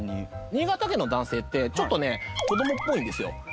新潟県の男性ってちょっとね子供っぽいんですよ。